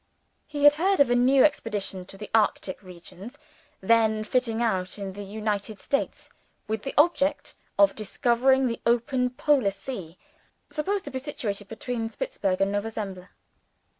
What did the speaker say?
He had heard of a new expedition to the Arctic regions then fitting out in the United States with the object of discovering the open Polar sea, supposed to be situated between Spitzbergen and Nova Zembla.